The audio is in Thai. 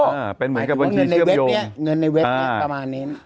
เหมือนกับบัญชีเชื่อมโยงเงินในเว็บประมาณนี้